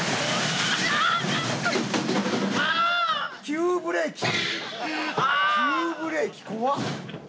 急ブレーキ。